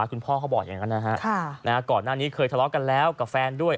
เขาบอกอย่างนั้นนะฮะก่อนหน้านี้เคยทะเลาะกันแล้วกับแฟนด้วย